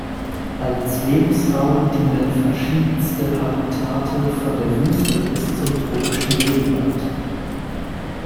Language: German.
Als Lebensraum dienen verschiedenste Habitate von der Wüste bis zum tropischen Regenwald.